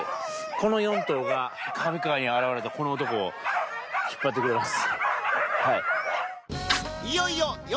この４頭が上川に現れたこの男を引っ張ってくれます。